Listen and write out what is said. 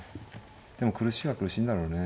でも苦しいは苦しいんだろうね。